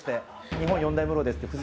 日本四大ムロですって